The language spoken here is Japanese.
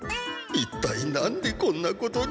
一体何でこんなことに。